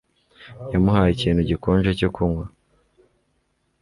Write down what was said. Yamuhaye ikintu gikonje cyo kunywa